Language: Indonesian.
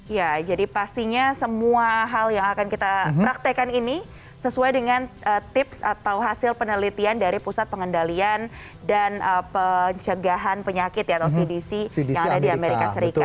ya jadi pastinya semua hal yang akan kita praktekkan ini sesuai dengan tips atau hasil penelitian dari pusat pengendalian dan pencegahan penyakit atau cdc yang ada di amerika serikat